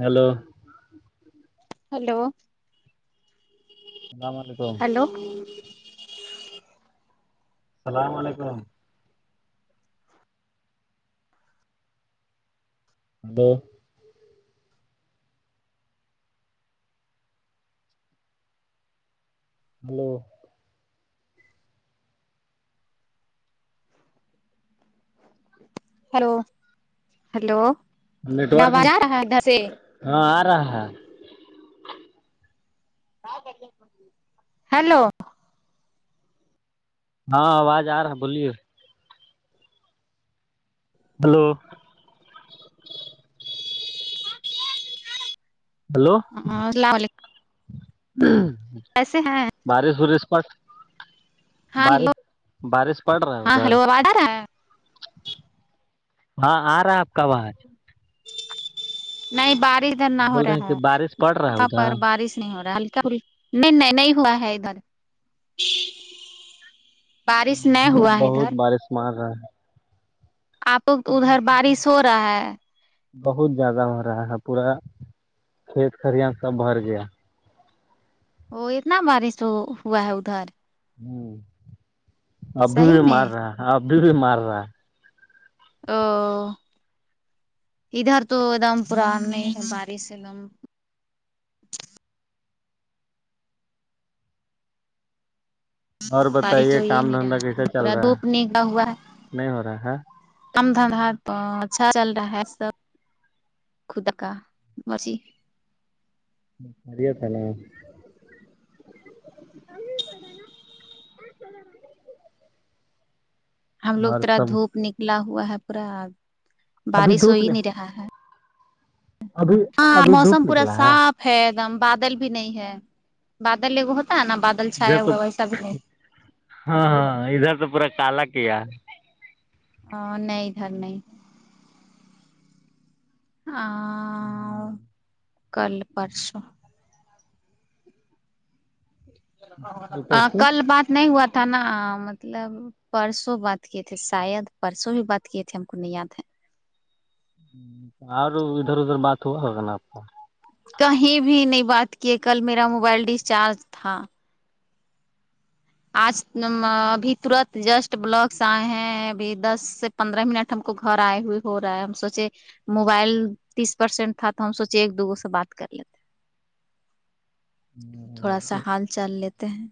hello hello السلام علیکم hello السلام علیکم hello hello hello hello network میں ہاں آ رہا ہے ہیلو ہاں آواز آ رہا ہے بولیے ہیلو ہیلو السلام ایسے ہے بارش وورش پ ہاں بارش ہلو بارش پڑ رہا ہے ہاں ادھر ہلو آواز آ رہا ہے ہاں آ رہا ہے آپ کا اواز نہیں بارش ادھر نہ ہو بول رہے ہیں رہا کہ بارش پڑ رہا ہے ہےاں پر ادھر بارش نہیں ہو رہا ہلکا نہیں نہیں نہیں ہوا ہے ادھر بارش نہیں ھر ہوا ہے بہت ادھر بارش مار رہا ہے آپ ادھر بارش ہو رہا ہے بہت زیادہ ہو رہا ہے پورا کھیت کڑیاں سب بھر گیا وہ اتنا بارش ہوا ہے ادھر ہوں ابھی صحیح بھی میں مار رہا ابھی بھی مارا او ادھر تو ایک دم پان نہیں ہے بارس ایک دم اور بارش ہو بتائیے ہی کام نہیں رہا دھندا ہے کیسا چل پورا رہا دھوپ ہے نگا ہوا ہے نہیں ہو رہا ہے کم دھندات تو اچھا چل رہا ہے سب خدا کا مرضی برییا تھا ن [unintelligible] ہم لوگ اور ترا سب دھوپ نکلا ہوا ہے پورا ابھی بارش ہو دھوپ ہی نے نہیں رہا ہے ابھی ہاں ابھی موسم دھوپ پورا نکلا صاف ہے ایک دم بادل بھی نہیں ہے بادل ایگو ہوتا ہے نا بادل ادھر چھایا تو ہوا ہے وسا بھی نہیں ہاں ہاں ادھر تو پورا کالا کیا ہے ا نہیں ادھر نہیں آوں کل پرسو کل بات نہیں ہوا تھا نا مطلب پرسوں بات کیے تھے شاید پرسوں ھی بات کیے تھے ہم کو نہیں یاد ہے اور ادھر ادھر بات ہوا ہوگا نا آپ کا کہیں بھی نہیں بات کی کل میرا موبائل ڈسچارج تھا آج ابھی ترت جسٹ بلاکس آئے ہیں ابھی دس پندرہ منٹ ہم کو گھر آئے ہوئے ہو رہا ہے ہم سوچے موبائل تیس پرسینٹ تھا تو ہم سوچے ایک دوگوں سے بات کر لیتے تھوڑا سا ہال چال لیتے ہیں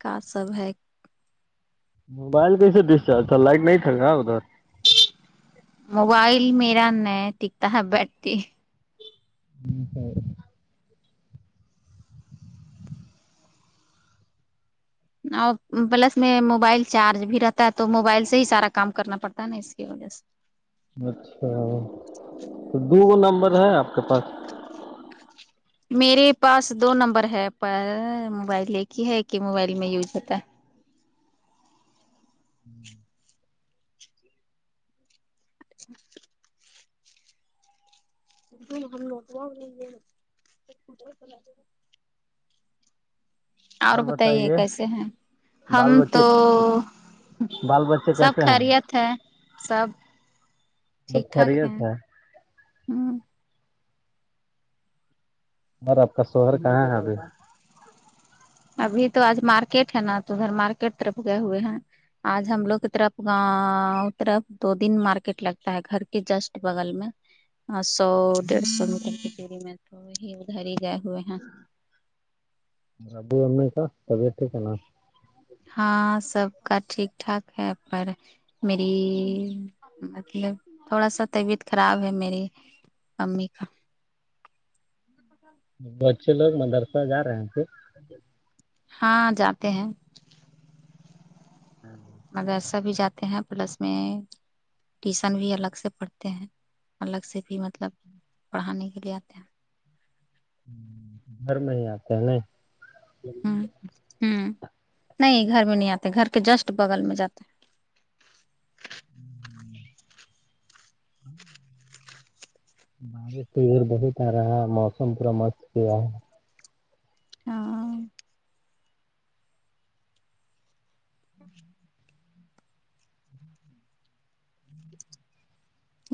کا سب ہے موبائل کیسے ڈسچارج تھا لائٹ نہیں تھا نا ادھر موبائل میرا نیی ٹکتا ہے بیٹری [unintelligible] اور پلس میں موبائل چارج بھی رہتا ہے تو موبائل سے ہی سارا کام کرنا پڑتا ہے نا اس کی وجہ سے اچھا تو دو گ نمبر ہے آپ کے پاس میرے پاس دو نمبر ہے پر موبائل ایک ہی ہے ایک ہی موبائل میں یوز ہوتا ہے ہمم ج ہم نوٹو [unintelligible] اور بتائیے کیسے ہیں ہم بال بچے تو بال بچے سب کیسے ہیں خیریت ہے سب ٹھیک سب ٹھاک ہے خیریت ہوں اور آپ کا شوہر کہاں ہے ابھی ابھی تو آج مارکیٹ ہے نا تو ادھر مارکیٹ طرف گئے ہوئے ہیں آج ہم لوگ کی طرف گاؤں طرف دو دن مارکیٹ لگتا ہے گھر کے جسٹ بغل میں ہ سو ڈیڑھ سو میٹر کی چی میں تو یہ ادھر ہی گئے ہوئے ہیں ابو امی کا طبیعت ٹھیک ہے نا ہاں سب کا ٹھیک ٹھاک ہے پر میری مطلب تھوڑا سا طبیعت خراب ہے میری امی کا بچے لوگ مدرسہ جا رہے ہیں تھے ہاں جاتے ہیں ہاں مدرسہ بھی جاتے ہیں پلس میں ٹیشن بھی الگ سے پڑھتے ہیں الگ سے بھی مطلب پڑھانے کے لیے آتے ہیں گھر میں ہی آتے ہیں نہیں ہمم نہیں گھر میں نہیں آتے گھر کے جسٹ بغل میں جاتے ہمم بارش تو ادھر بہت آ رہا ہے موسم پورا مست کیاا ہے ہاں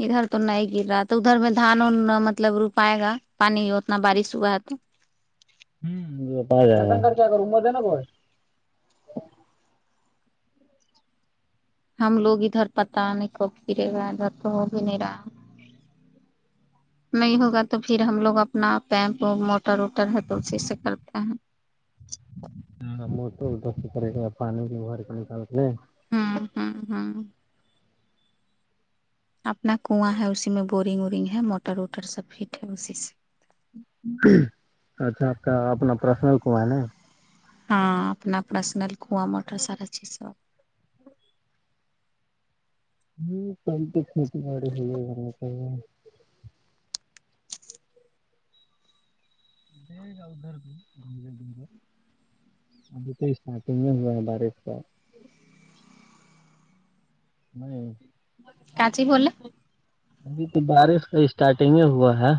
ادھر تو نہیں گر رہا تھا ادھر میں دھان و مطلب رو پائے گا پانی اتنا بارش ہوا تو ہم ہوتا جارہ رہا ہم لوگ ادھر پتا نہیں کب گرے گا ادھر تو ہو بھی نہیں رہا نہیں ہوگا تو پھر ہم لوگ اپنا پیمپ موٹر ووٹر ہے تو اسی سے کرتے ہیں ہاں م [unintelligible] تودست کر پانی ووار کرنے پال ہمم ہمم ہمم اپنا کنواں ہے اسی میں بورنگ وورنگ ہے موٹر ووٹر سب فٹ ہے اسی سے اچھا آپ کا اپنا پرسنل کواں ہے ہاں اپنا پرسنل کواں موٹر سارا چیز سب [unintelligible] دے گا ادھر بھی دھیرے دھیرے ابھی تو اسارٹگ ہی ہوا ہے بارش کا نہیں کاچ ہی بول ابھی تو بارش کا اسٹارٹنگ ہی ہوا ہے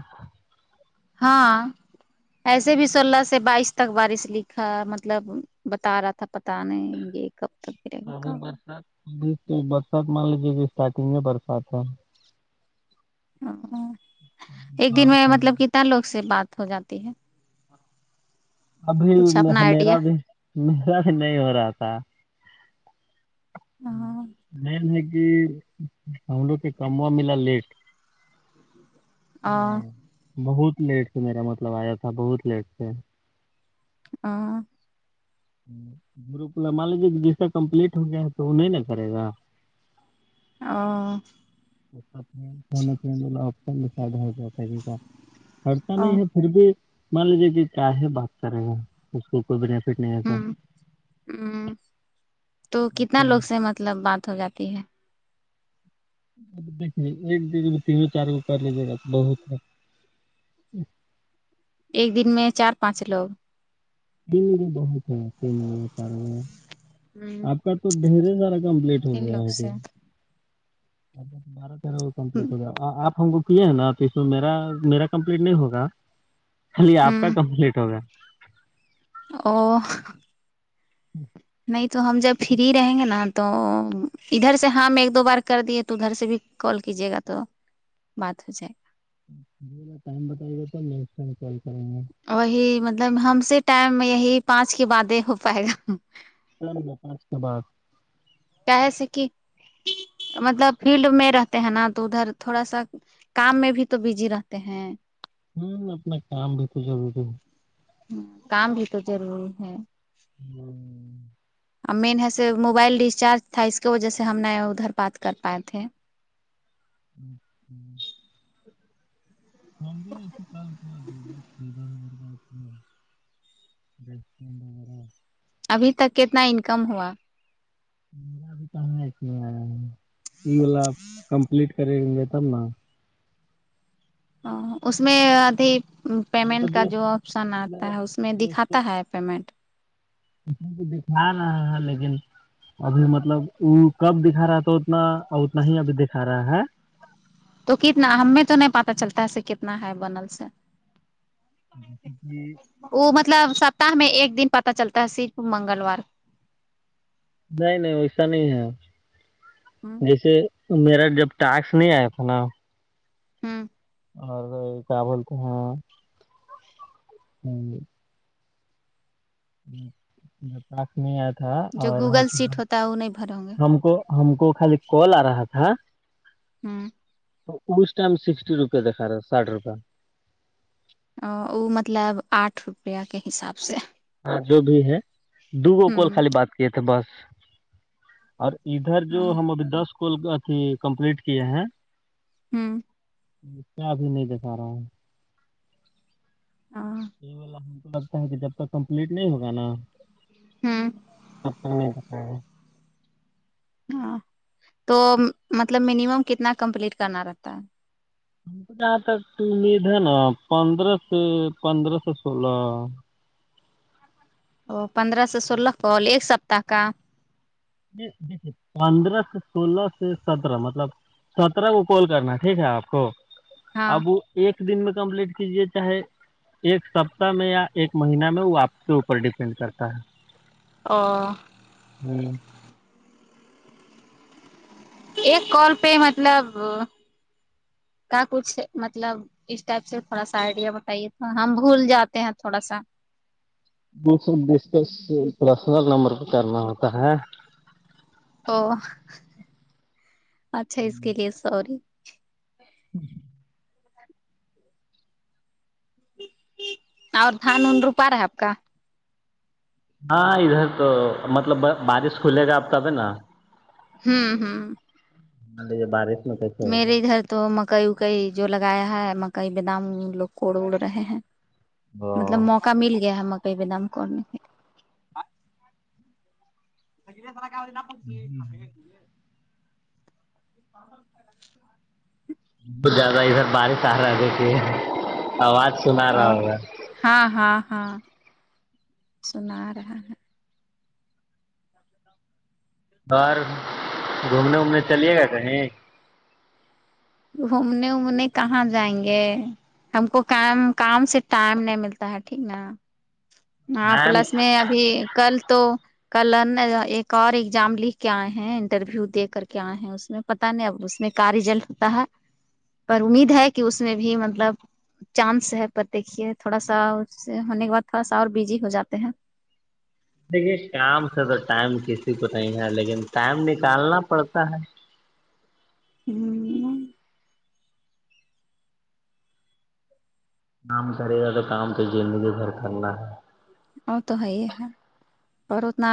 ہاں ایسے بھی سولہ سے بائیس تک بارث لکھا مطلب بتا رہا تھا پتا نہیں یہ کب تک گرے گا ارے کب برسات تو برسات مان لیجے کہ اسٹارٹنگ میں برسات ہے ا ایک دن میں مطلب کتنا لوگ سے بات ہو جاتی ہے ابھی کچھ اپنا میرا آئیڈیا بھی میرا بھی نہیں ہو رہا تھا ہوں م ہے کہ ہم لوگ کے کموا ملا لیٹ اں بہت لیٹ سے میرا مطلب آیا تھا بہت لیٹ سے اں گروپ مان لیجیے کہ جیسا کمپلیٹ ہو گیا ہے تو وہ نہیں نا کرے گا ہاں [unintelligible] پھر بھی مان لیجیے کہ کیا ہے بات کرے گا اس کو کوئی بینیفٹ نہیں ہوتا ہ تو کتنا لوگ سے مطلب بات ہو جاتی ہے ایک بھی تین [unintelligible] چار گو کر لیجیے گا تو بہت ایک دن میں چار پانچ لوگ دو بھی بہت ہے [unintelligible] ت پارو ہاں تو ڈھیر سارا کمپلیٹ ہو گیا سے بار وہ کمپلیٹ ہو گیا آپ ہم کو کیے ہیں نا تو اس میں میرا میرا کمپلیٹ نہیں ہوگا خالی آپ کا ہ کمپلیٹ ہوگا او نہیں تو ہم جب فری رہیں گے نا تو ادھر سے ہم ایک دو بار کر دیے تو ادھر سے بھی کال کیجےگہ تو بات ہو جائے جی ٹائم بتائیے تو نیکسٹ ٹائم کال کریں گے وہی مطلب ہم سے ٹائم یہی پانچ کے بعدے ہو پائے گا پ [unintelligible] پانچ کے بعد کہس کہ مطلب فیلڈ میں رہتے ہیں نا تو ادھر تھوڑا سا کام میں بھی تو بزی رہتے ہیں ہوں اپنا کام بھی تو ضروری ہے کام بھی تو ضروری ہے ہوں اب مین ہےس موبائل ریسچارج تھا اس کے وجہ سے ہم نئے ادھر بات کر پائے تھے ہوں ہوں سمب ا کل چ [unintelligible] دے چودلہہ ہزارپ [unintelligible] ابھی تک کتنا انکم ہوا ہمارا بھی پیمنٹ نہیں آرہآ ہے یہ کمپلیٹ کریں گے تب ن ا اس میں ادھی میرا پیمنٹ کا دوست جو آپشن آتا میرا ہے اس میں دوست تو دکھاتا ہے پیمنٹ اس کو دکھا رہا ہے لیکن ابھی مطلب وہ کب دکھا رہا تو اتنا اتنا ہی ابھی دکھا رہا ہے تو کتنا ہمیں تو نہیں پتہ چلتا ہے ایسے کتنا ہے بنل سے [inaudible] وہ مطلب سپتاہ میں ایک دن پتا چلتا ہے صرف منگلوار نہیں نہیں ایسا نہیں ہے ہون جیسے میرا جب ٹاسک نہیں آیا تھا نا ہوں اور کیا بولتے ہیں ہاں میں پاس میں آیا تھا جو اور گوگل سیٹ ہوتا ہے وہ نہیں بھر ہوں گے ہم کو ہم کو خالی کال آ رہا تھا ہوں تو اس ٹائم سکسٹی روپئے دکھا رہا ساٹھ روپئے ا ؤ مطلب آٹھ روپیہ کے حساب سے ہاں جو بھی ہے دوبار کال ہوں خالی بات کیے تھے بس اور ادھر جو ہوں ہم ابھی دس کال کو اکے کمپلیٹ کیے ہیں ہوں کیابی نہیں دکھا رہا ہے ہاں یہ والا ہم کو لگتا ہے کہ جب تک کمپلیٹ نہیں ہوگا نا ہون اب تو نہیں دیکھ رہا ہے ہاں تو مطلب مینیمم کتنا کمپلیٹ کرنا رہتا ہے ہم [unintelligible] آ تمید ہے نا پندرہ س پندرہ سو سولہ او پندرہ سے سولہ کال ایک سپتاہ کا دیکھیے پندرہ سے سولہ سے سترہ مطلب سترہ کو کال کرنا ٹھیک ہے آپ کو ہاں اب ایک دن میں کمپلیٹ کیجیے چاہے ایک سپتاہ میں یا ایک مہینہ میں وہ آپ کے اوپر ڈیپینڈ کرتا ہے او ہوں ایک کال پہ مطلب کا کچھ مطلب اس ٹائپ سے تھوڑا سا آئیڈیا بتائیے تھا ہم بھول جاتے ہیں تھوڑا سا دوسر ڈسکس پرسنل نمبر پہ کرنا ہوتا ہے او اچھا اس کے لیے سوری اور دھان ان روپار ہے آپ کا ہاں ادھر تو مطلب بارش کھلے گا اب تب نا ہوں ہوں ہاں یہ بارش میں کیسے میرے ہوگا ادھر تو مکئی اکئی جو لگایا ہے مکئی بہ دام لوگ کڑ اڑ رہے ہیں مطلب او موقع مل گیا ہم مکئی پے دام کنے کے سر [unintelligible] نہ پ اب زیادہ ادھر بارش آ رہا دیکھئیے آواز سنا آرہا او ہوگا ہاں ہاں ہاں سنا آ رہا ہے اور گھومنے ومنے چلیے گئے کہیں گھومنے ومنے کہاں جائیں گے ہم کو کام کام سے ٹائم نہیں ملتا ہے ٹھیک نا ہاں ٹائم پلس میں ابھی کل تو کلن ایک اور ایگزام لکھ کے آئے ہیں انٹرویو دے کر کے آئے ہیں اس میں پتا نہیں اب اس میں کیا ریزلٹ ہوتا ہے پر امید ہے کہ اس میں بھی مطلب چانس ہے پر دیکھیے تھوڑا سا اس سے ہونے کے بعد تھوڑا سا اور بزی ہو جاتے ہیں دیکھیے کام سے تو ٹائم کسی کو نہیں ہے لیکن ٹائم نکالنا پڑتا ہے ہوں کام کرے گا تو کام تو زندگی بھر کرنا ہے وہ تو ہے ہی ہے اور اتنا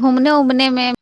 گھومنے اومنے میں